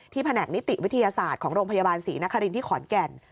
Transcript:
แผนกนิติวิทยาศาสตร์ของโรงพยาบาลศรีนครินที่ขอนแก่น